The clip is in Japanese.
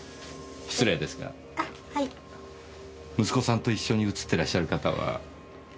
息子さんと一緒に写ってらっしゃる方は？